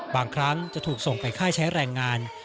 บางครั้งจะถูกส่งไปค่ายใช้แรงงาน